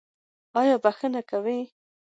ایا بخښنه کوئ؟